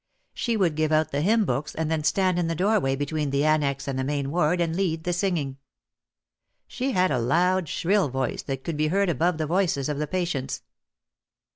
She would give out the Hymn Books and then stand in the doorway between the annex and the main ward and lead the singing. She had a loud, shrill voice that could be heard above the voices of the patients.